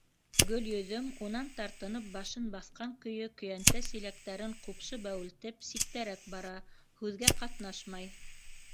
Гөлйөҙөм, унан тартынып башын баҫҡан көйө көйәнтә-силәктәрен ҡупшы бәүелтеп, ситтәрәк бара, һүҙгә ҡатнашмай.